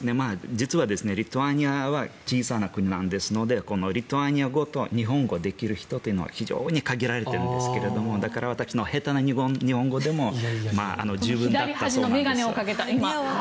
実はリトアニアは小さな国なのでこのリトアニア語と日本語ができる人というのは非常に限られているんですけれどもですから、私の下手な日本語でも左端の眼鏡をかけた。